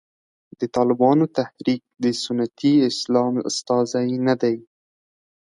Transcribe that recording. د طالبانو تحریک د سنتي اسلام استازی نه دی.